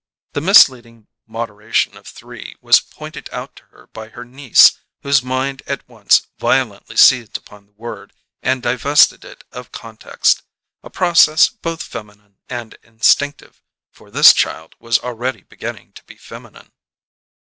The misleading moderation of "three" was pointed out to her by her niece, whose mind at once violently seized upon the word and divested it of context a process both feminine and instinctive, for this child was already beginning to be feminine.